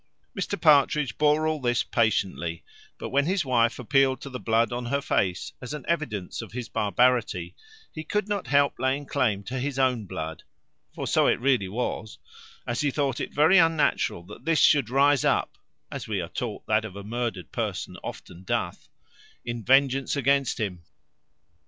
Mr Partridge bore all this patiently; but when his wife appealed to the blood on her face, as an evidence of his barbarity, he could not help laying claim to his own blood, for so it really was; as he thought it very unnatural, that this should rise up (as we are taught that of a murdered person often doth) in vengeance against him.